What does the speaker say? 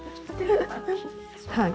はい。